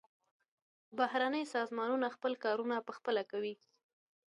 بهرني سازمانونه خپل کارونه پخپله کوي.